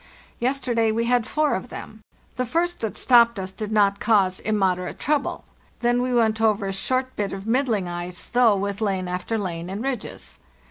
Yesterday we had four of them. The first that stopped us did not cause immoderate trouble; then we went over a short bit of middling ice, though, with lane after lane and ridges.